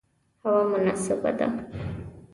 هوا مناسبه ده